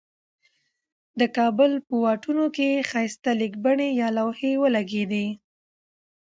دې کابل په واټونو کې ښایسته لیکبڼي یا لوحی ولګیدي.